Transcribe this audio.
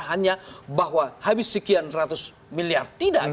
hanya bahwa habis sekian ratus miliar tidak